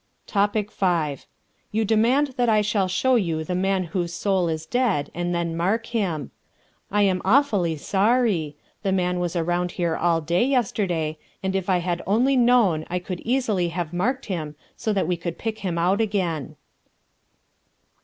Topic V. You demand that I shall show you the man whose soul is dead and then mark him. I am awfully sorry; the man was around here all day yesterday, and if I had only known I could easily have marked him so that we could pick him out again.